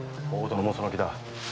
大殿もその気だ。